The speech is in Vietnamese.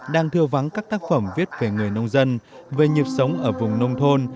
đang thưa vắng các tác phẩm viết về người nông dân về nhịp sống ở vùng nông thôn